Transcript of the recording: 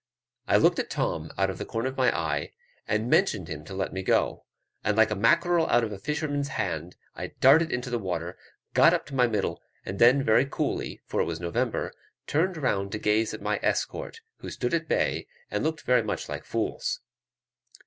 I looked at Tom out of the corner of my eye, and motioned him to let me go; and, like a mackerel out of a fisherman's hand, I darted into the water, got up to my middle, and then very coolly, for it was November, turned round to gaze at my escort, who stood at bay, and looked very much like fools.